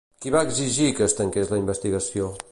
Qui va exigir que es tanqués la investigació?